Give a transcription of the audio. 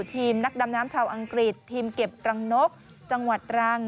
ทีมนักดำน้ำชาวอังกฤษทีมเก็บรังนกจังหวัดตรัง